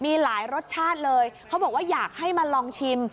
มีหลายรสชาติเลยเขาบอกว่าอยากให้มาลองชิม